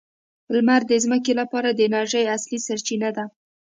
لمر د ځمکې لپاره د انرژۍ اصلي سرچینه ده.